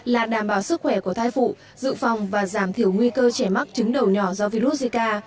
là đảm bảo sức khỏe của thai phụ dự phòng và giảm thiểu nguy cơ trẻ mắc chứng đầu nhỏ do virus zika